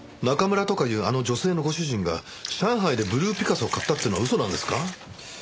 中村とかいうあの女性のご主人が上海でブルーピカソを買ったっていうのは嘘なんですか？